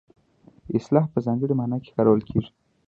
اصطلاح په ځانګړې مانا کې کارول کیږي